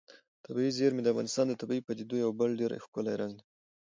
طبیعي زیرمې د افغانستان د طبیعي پدیدو یو بل ډېر ښکلی رنګ دی.